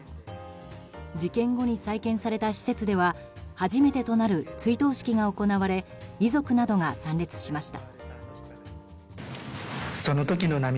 事件後に再建された施設では初めてとなる追悼式が行われ遺族などが参列しました。